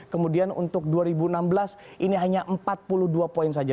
kemudian untuk dua ribu enam belas ini hanya empat puluh dua poin saja